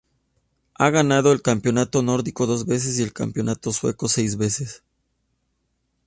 Ha ganado el campeonato Nórdico dos veces y el campeonato sueco seis veces.